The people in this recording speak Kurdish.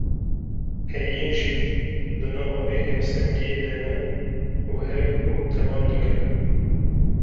Heyîn jî di nava vê hevsengiyê de ne û hev û temam dikin.